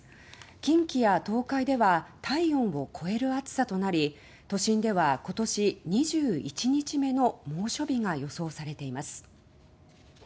近畿や東海では体温を超える暑さとなり都心では今年２１日目の猛暑日が予想されています。